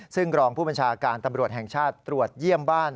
ซึ่งรองผู้บัญชาการตำรวจแห่งชาติตรวจเยี่ยมบ้าน